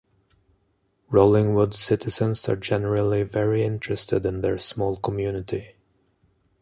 Rollingwood citizens are generally very interested in their small community.